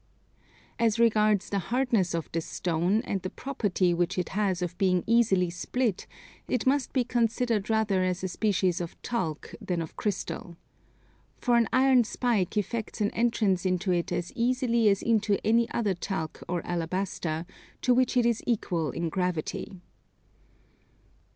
As regards the hardness of this stone, and the property which it has of being easily split, it must be considered rather as a species of Talc than of Crystal. For an iron spike effects an entrance into it as easily as into any other Talc or Alabaster, to which it is equal in gravity.